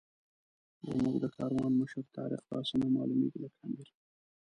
زموږ د کاروان مشر طارق داسې نه معلومېږي لکه امیر.